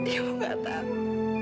ibu gak tahu